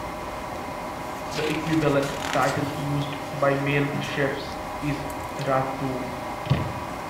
The equivalent title used by male chiefs is Ratu.